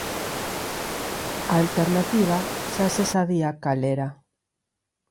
A alternativa xa se sabía cal era.